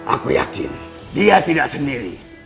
aku yakin dia tidak sendiri